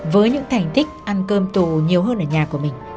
với những thành tích ăn cơm tù nhiều hơn ở nhà của mình